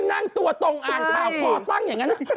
นั่งตัวตรงอ่านข่าวคอตั้งอย่างนั้นนะ